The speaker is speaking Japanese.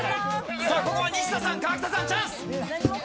さあここはニシダさん川北さんチャンス！